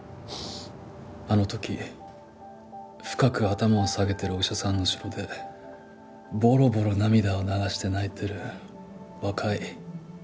あの時深く頭を下げてるお医者さんの後ろでボロボロ涙を流して泣いてる若い女の先生がいて。